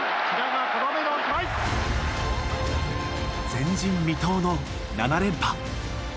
前人未到の７連覇。